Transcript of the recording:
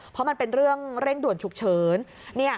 เพราะมันเป็นเรื่องเร่งด่วนฉุกเฉิน